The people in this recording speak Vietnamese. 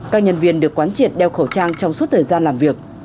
các nhân viên được quán triệt đeo khẩu trang trong suốt thời gian làm việc